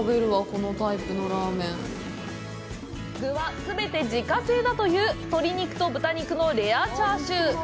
具は全て自家製だという、鶏肉と豚肉のレアチャーシュー。